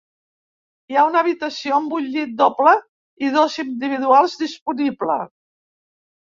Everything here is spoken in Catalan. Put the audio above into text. Hi ha una habitació amb un llit doble i dos individuals disponible.